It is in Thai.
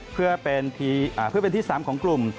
เพื่อเป็นที่๓ของกลุ่ม